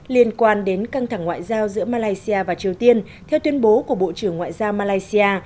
liên quan đến căng thẳng ngoại giao giữa malaysia và triều tiên theo tuyên bố của bộ trưởng ngoại giao malaysia